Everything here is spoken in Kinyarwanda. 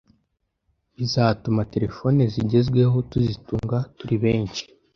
bizatuma telefone zigezweho tuzitunga turi benshi